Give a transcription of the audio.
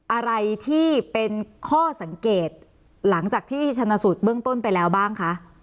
อะไรที่เป็นข้อสังเกตหลังจากที่ชนะสูตรเบื้องต้นไปแล้วบ้างคะ